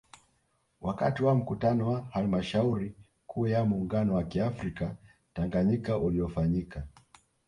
Wakati wa Mkutano wa Halmashauri Kuu ya muungano wa kiafrika Tanganyika uliofanyika